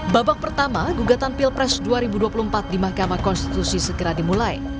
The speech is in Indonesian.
babak pertama gugatan pilpres dua ribu dua puluh empat di mahkamah konstitusi segera dimulai